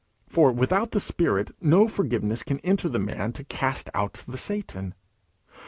For without the Spirit no forgiveness can enter the man to cast out the satan.